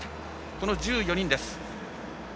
この１４人です。